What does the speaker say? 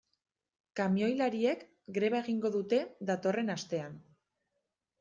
Kamioilariek greba egingo dute datorren astean.